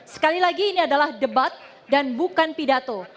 sekali lagi ini adalah debat dan bukan pidato